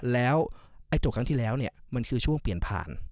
แล้วไอ้โจทย์ครั้งที่แล้วเนี่ยมันคือช่วงเปลี่ยนผ่าน